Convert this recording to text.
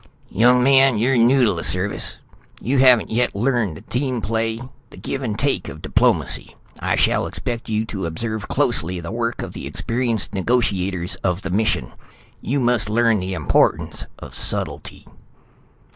"Young man, you're new to the Service. You haven't yet learned the team play, the give and take of diplomacy. I shall expect you to observe closely the work of the experienced negotiators of the mission. You must learn the importance of subtlety."